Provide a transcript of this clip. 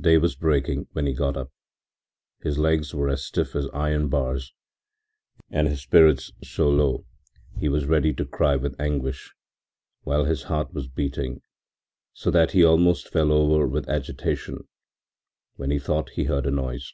Day was breaking when he got up. His legs were as stiff as iron bars and his spirits so low that he was ready to cry with anguish, while his heart was beating so that he almost fell over with agitation, when he thought he heard a noise.